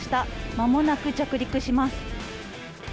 まもなく着陸します。